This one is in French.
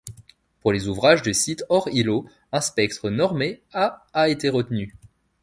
Pour les ouvrages de site hors îlot, un spectre normé à a été retenu.